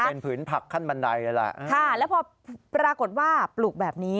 เป็นผืนผักขั้นบันไดเลยแหละค่ะแล้วพอปรากฏว่าปลูกแบบนี้